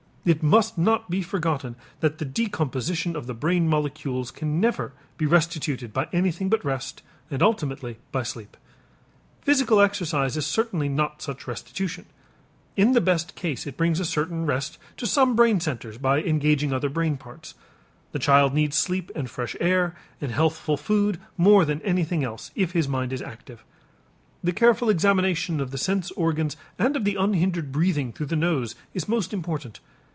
It must not be forgotten that the decomposition of the brain molecules can never be restituted by anything but rest, and ultimately by sleep. Physical exercise is certainly not such restitution. In the best case it brings a certain rest to some brain centers by engaging other brain parts. The child needs sleep and fresh air and healthful food more than anything else, if his mind is active. The careful examination of the sense organs and of the unhindered breathing through the nose is most important.